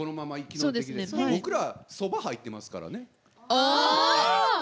僕ら「そば」入ってますから。